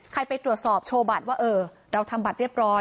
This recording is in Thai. ไปตรวจสอบโชว์บัตรว่าเออเราทำบัตรเรียบร้อย